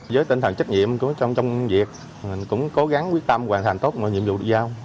với tinh thần trách nhiệm trong việc mình cũng cố gắng quyết tâm hoàn thành tốt nhiệm vụ giao